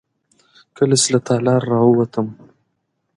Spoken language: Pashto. کله چې له تالار څخه راووتم.